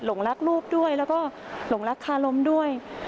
หลงรักลูกด้วยแล้วก็หลงรักคารมด้วย